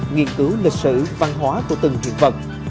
nghiên cứu lịch sử văn hóa của từng truyền vật